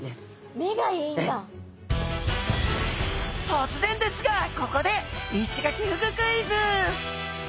とつぜんですがここでイシガキフグクイズ。